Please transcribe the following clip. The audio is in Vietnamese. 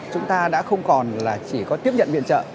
chúng ta đã không còn là chỉ có tiếp nhận viện trợ